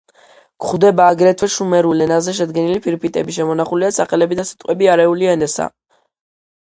გვხვდება აგრეთვე შუმერულ ენაზე შედგენილი ფირფიტები, შემონახულია სახელები და სიტყვები არიული ენისა.